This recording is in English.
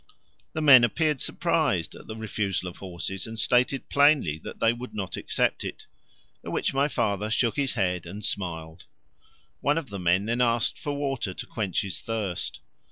The men appeared surprised at the refusal of horses, and stated plainly that they would not accept it; at which my father shook his head and smiled. One of the men then asked for water to quench his thirst.